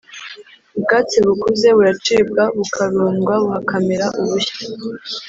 ubwatsi bukuze buracibwa bukarundwa hakamera ubushya,